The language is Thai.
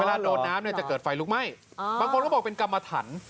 เวลาโดดน้ำเนี่ยจะเกิดไฟลุกไหม้อ่าบางคนต้องบอกเป็นกำหมะถัน